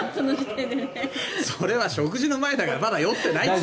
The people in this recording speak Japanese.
それは食事の前だからまだ酔ってない。